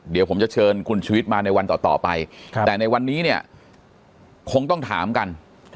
เดี๋ยวผมจะเชิญคุณชีวิตมาในวันต่อไปแต่ในวันนี้เนี่ยคงต้องถามกัน